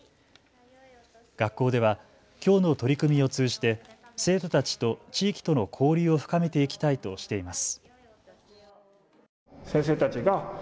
学校ではきょうの取り組みを通じて生徒たちと地域との交流を深めていきたいとしています。